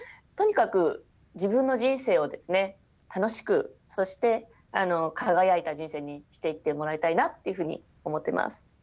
とにかく自分の人生をですね楽しくそして輝いた人生にしていってもらいたいなっていうふうに思ってます。